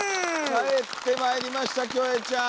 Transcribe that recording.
帰ってまいりましたキョエちゃん！